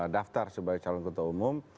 daftar sebagai calon ketua umum